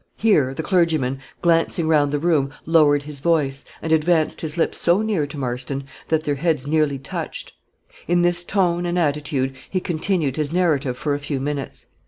Here the clergyman, glancing round the room, lowered his voice, and advanced his lips so near to Marston, that their heads nearly touched. In this tone and attitude he continued his narrative for a few minutes.